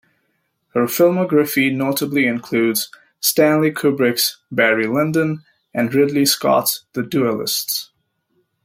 Her filmography notably includes Stanley Kubrick's "Barry Lyndon" and Ridley Scott's "The Duellists".